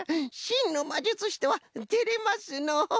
しんのまじゅつしとはてれますのう。